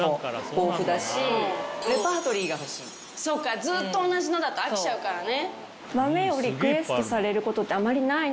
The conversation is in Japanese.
そうかずっと同じのだと飽きちゃうからね。